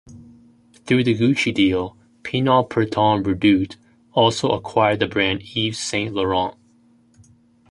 Through the Gucci deal, Pinault-Printemps-Redoute also acquired the brand Yves Saint Laurent.